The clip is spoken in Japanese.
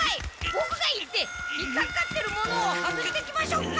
ボクが行って引っかかってるものを外してきましょうか？